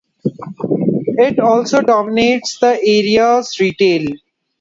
It also dominates the areas retail.